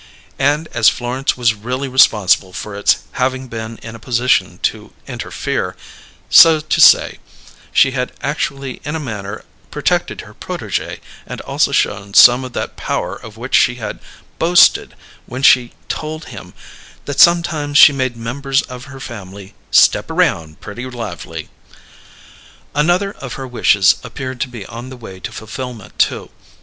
And as Florence was really responsible for its having been in a position to interfere, so to say, she had actually in a manner protected her protégé and also shown some of that power of which she had boasted when she told him that sometimes she made members of her family "step around pretty lively." Another of her wishes appeared to be on the way to fulfilment, too.